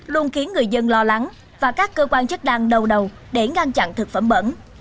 luôn khiến người dân lo lắng và các cơ quan chức năng đầu đầu để ngăn chặn thực phẩm bẩn